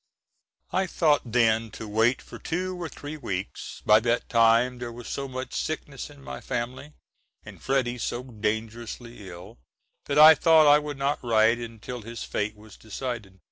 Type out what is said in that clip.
I thought then to wait for two or three weeks; by that time there was so much sickness in my family, and Freddy so dangerously ill, that I thought I would not write until his fate was decided.